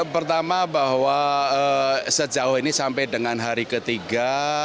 pertama bahwa sejauh ini sampai dengan hari ketiga